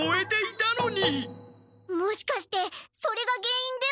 もしかしてそれがげんいんでは？